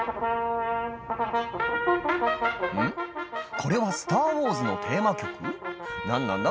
これは『スター・ウォーズ』のテーマ曲何なんだ？